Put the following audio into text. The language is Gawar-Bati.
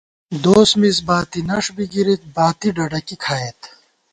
دوس مِز باتی نݭ بِی گِرِت، باتی ڈڈَکی کھائیت